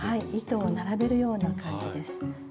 糸を並べるような感じです。